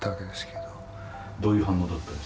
どういう反応だったんですか？